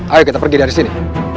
ayo kita pergi dari sini